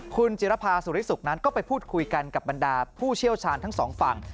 คุณจิรภาสุริสุขนั้นก็ไปพูดคุยกันกับบรรดาผู้เชี่ยวชาญทั้งสองฝั่ง